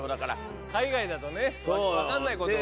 海外だとね分かんないことが。